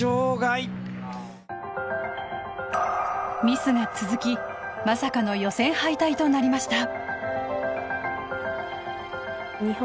ミスが続きまさかの予選敗退となりました。